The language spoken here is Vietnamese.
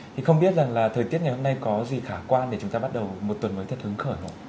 thì không biết rằng là thời tiết ngày hôm nay có gì khả quan để chúng ta bắt đầu một tuần mới thật hứng khởi